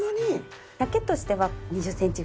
丈としては２０センチぐらい足しました。